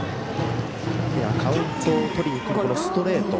カウントを取りにいくストレート